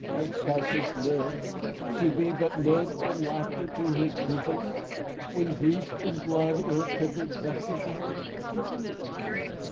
Cas. Hath Cassius lived To be but mirth and laughter to his Brutus, When grief, and blood ill temper'd, vexeth him?